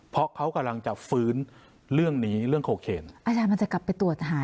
เพราะเขากำลังจะฟื้นเรื่องนี้เรื่องโคเคนอาจารย์มันจะกลับไปตรวจหา